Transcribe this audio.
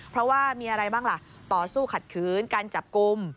เพราะว่ามีอะไรบ้างล่ะต่อสู้ขัดขืนการจับกลุ่ม